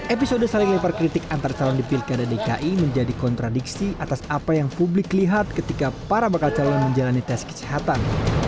episode saling lempar kritik antar calon di pilkada dki menjadi kontradiksi atas apa yang publik lihat ketika para bakal calon menjalani tes kesehatan